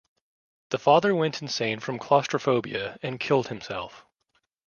The father went insane from claustrophobia and killed himself.